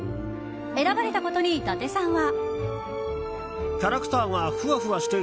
選ばれたことに伊達さんは。